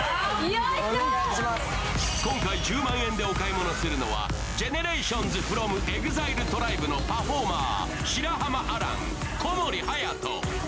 今回１０万円でお買い物するのはＧＥＮＥＲＡＴＩＯＮＳｆｒｏｍＥＸＩＬＥＴＲＩＢＥのパフォーマー、白濱亜嵐、小森隼。